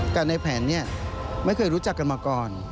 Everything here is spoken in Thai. แต่ในแผนเนี่ยไม่เคยรู้จักกันมาก่อน